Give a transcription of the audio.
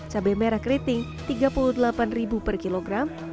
cabai merah keriting rp tiga puluh delapan per kilogram